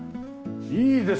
いいですね